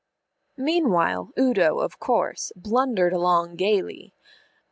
Meanwhile Udo, of course, blundered along gaily.